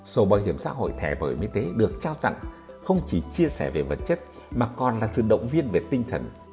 sổ bảo hiểm xã hội thẻ bảo hiểm y tế được trao tặng không chỉ chia sẻ về vật chất mà còn là sự động viên về tinh thần